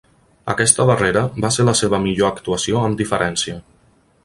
Aquesta darrera va ser la seva millor actuació amb diferència.